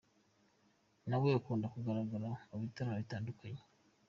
nawe ukunda kugaragara mu bitaramo bitandukanye.